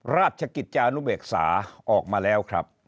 ราชกิจจานุเบกษาออกมาแล้วครับ